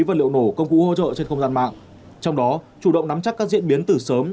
và liệu nổ công cụ hỗ trợ trên không gian mạng trong đó chủ động nắm chắc các diễn biến từ sớm